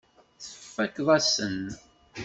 Tfakkeḍ-as-ten.